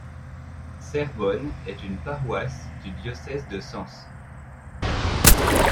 Serbonnes est une paroisse du diocèse de Sens.